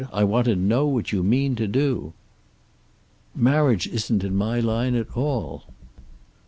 I want to know what you mean to do." "Marriage isn't in my line at all."